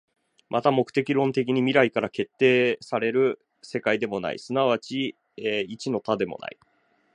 また目的論的に未来から決定せられる世界でもない、即ち一の多でもない。